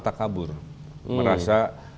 tak kabur merasa